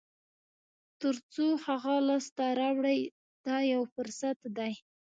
تر څو هغه لاسته راوړئ دا یو فرصت دی.